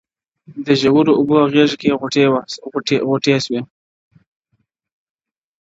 د ژورو اوبو غېږ کي یې غوټې سوې!